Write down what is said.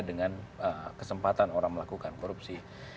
dengan kesempatan orang melakukan korupsi